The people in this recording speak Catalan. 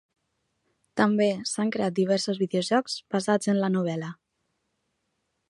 També s'han creat diversos videojocs basats en la novel·la.